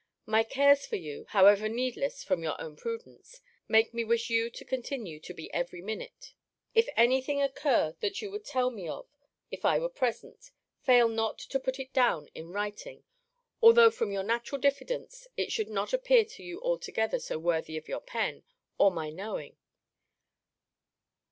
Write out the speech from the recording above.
My cares for you (however needless, from your own prudence) make me wish you to continue to be every minute. If any thing occur that you would tell me of if I were present, fail not to put it down in writing, although from your natural diffidence, it should not appear to you altogether so worthy of your pen, or my knowing.